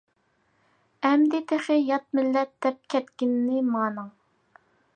-ئەمدى تېخى يات مىللەت دەپ كەتكىنىنى مانىڭ!